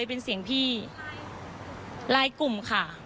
ไม่มีไม่มีค่ะ